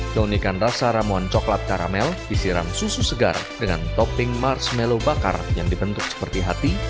keunikan rasa ramuan coklat karamel disiram susu segar dengan topping marshmallow bakar yang dibentuk seperti hati